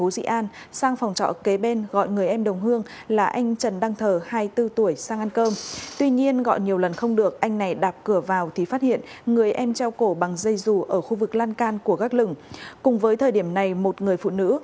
xin chào và hẹn gặp lại